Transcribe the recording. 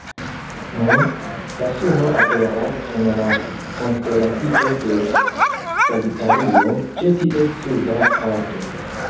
Nun, la suno aperas en la konstelacio de Sagitario, ĉe ties suda parto.